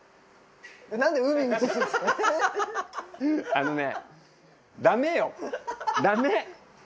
あのね。